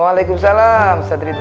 waalaikumsalam warahmatullahi wabarakatuh